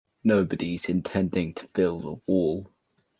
Nobody's intending to build a wall.